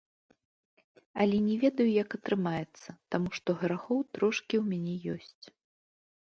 Але не ведаю, як атрымаецца, таму што грахоў трошкі ў мяне ёсць.